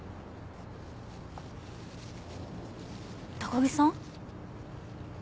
高木さん？